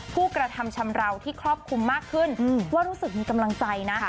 ผู้กระทำชำราวที่ครอบคลุมมากขึ้นว่ารู้สึกมีกำลังใจนะ